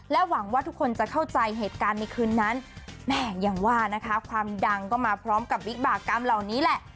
หวังว่าทุกคนจะเข้าใจเหตุการณ์ในคืนนั้นแม่ยังว่านะคะความดังก็มาพร้อมกับวิบากรรมเหล่านี้แหละ